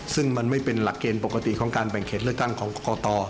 ซึ่งมันไม่เป็นหลักเกณฑ์ปกติของการแบ่งเขตเลือกตั้งของกรกต